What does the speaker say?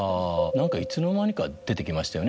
いつの間にか出てきましたよね